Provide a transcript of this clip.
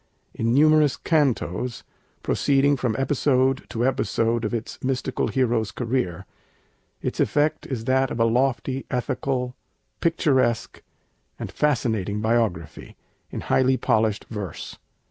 In numerous cantos, proceeding from episode to episode of its mystical hero's career, its effect is that of a loftily ethical, picturesque, and fascinating biography, in highly polished verse.